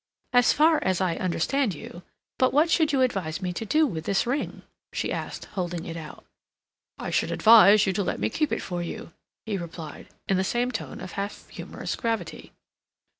"As far as I understand you—but what should you advise me to do with this ring?" she asked, holding it out. "I should advise you to let me keep it for you," he replied, in the same tone of half humorous gravity.